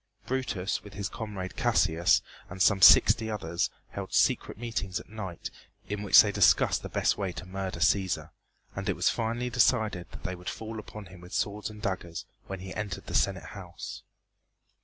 Brutus, with his comrade, Cassius, and some sixty others held secret meetings at night in which they discussed the best way to murder Cæsar, and it was finally decided that they would fall upon him with swords and daggers when he entered the Senate House.